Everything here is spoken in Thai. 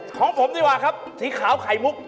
ของผมดีกว่าครับสีขาวไข่มุก